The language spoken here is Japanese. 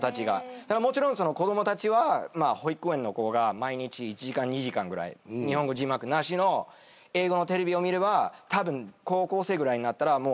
もちろん子供たちは保育園の子が毎日１時間２時間ぐらい日本語字幕なしの英語のテレビを見ればたぶん高校生ぐらいになったらもうたぶんペラペラ。